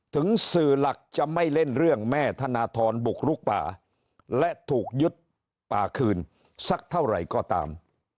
ถึงสื่อหลักจะไม่เล่นเรื่องแม่ธนทรบุกลุกป่าและถูกยึดป่าคืนสักเท่าไหร่ก็ตาม